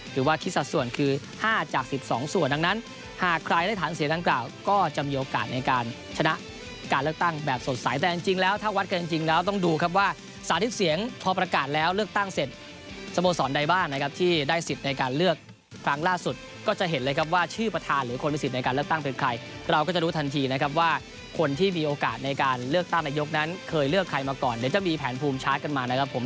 หรือว่าคิดสัดส่วนคือ๕จาก๑๒ส่วนดังนั้นหากใครได้ฐานเสียงดังกล่าวก็จะมีโอกาสในการชนะการเลือกตั้งแบบสดใสแต่จริงแล้วถ้าวัดกันจริงแล้วต้องดูครับว่าสาธิตเสียงพอประกาศแล้วเลือกตั้งเสร็จสโมสอนใดบ้านนะครับที่ได้สิทธิ์ในการเลือกครั้งล่าสุดก็จะเห็นเลยครับว่าชื่อประธานหรือคนม